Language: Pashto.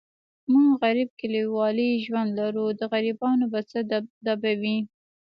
موږ غریب کلیوالي ژوند لرو، د غریبانو به څه دبدبه وي.